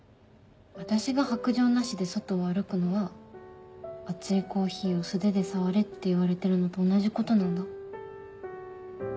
私が白杖なしで外を歩くのは熱いコーヒーを素手で触れって言われてるのと同じことなんだ。